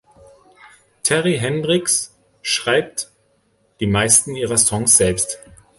Terri Hendrix schreibt die meisten ihrer Songs selbst.